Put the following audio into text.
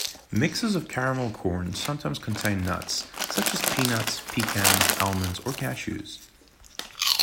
Mixes of caramel corn sometimes contain nuts, such as peanuts, pecans, almonds, or cashews.